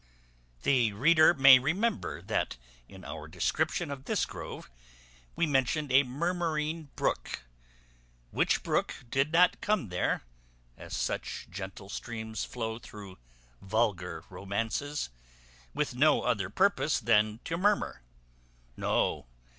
The reader may remember, that in our description of this grove we mentioned a murmuring brook, which brook did not come there, as such gentle streams flow through vulgar romances, with no other purpose than to murmur. No!